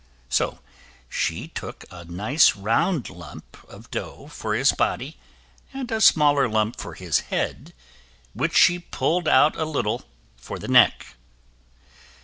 So she took a nice round lump of dough for his body, and a smaller lump for his head, which she pulled out a little for the neck.